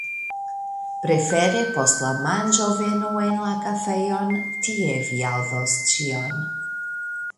Prefere post la manĝo venu en la kafejon, tie vi aŭdos ĉion.